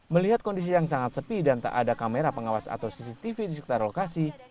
melihat kondisi yang sangat sepi dan tak ada kamera pengawas atau cctv di sekitar lokasi